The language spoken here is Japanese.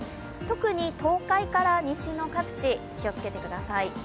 特に東海から西の各地、気をつけてください。